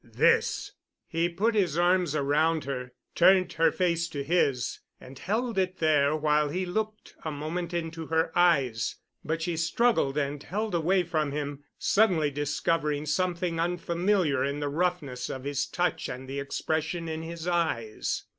"This!" He put his arms around her, turned her face to his, and held it there while he looked a moment into her eyes. But she struggled and held away from him, suddenly discovering something unfamiliar in the roughness of his touch and the expression in his eyes.